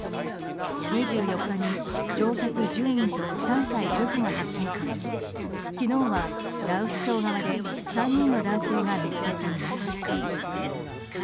２４日に、乗客１０人と３歳女児が発見され昨日は羅臼町側で３人の男性が見つかっています。